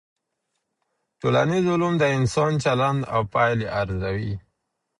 ټولنيز علوم د انسان چلند او پايلي ارزوي.